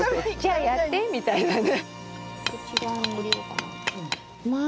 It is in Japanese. じゃあやってみたいなね。